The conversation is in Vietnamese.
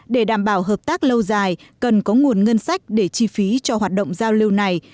để đảm bảo hợp tác lâu dài cần có nguồn ngân sách để chi phí cho hoạt động giao lưu này